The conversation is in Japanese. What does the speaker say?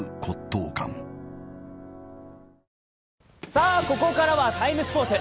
さあ、ここからは「ＴＩＭＥ，スポーツ」。